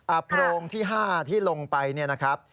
โพรงที่ห้าที่ลงไปเนี่ยนะครับ